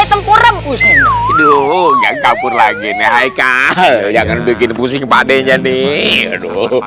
tempurem kusen hidung yang kabur lagi hai kale jangan bikin pusing padenya nih aduh